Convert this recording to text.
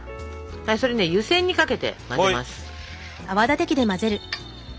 それね湯せんにかけて混ぜます。